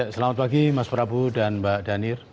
selamat pagi mas prabu dan mbak danir